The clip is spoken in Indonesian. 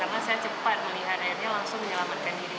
karena saya cepat melihat airnya langsung menyelamatkan diri